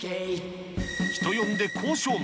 人呼んで交渉丸。